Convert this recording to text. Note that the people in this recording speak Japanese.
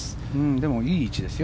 でもいい位置ですよ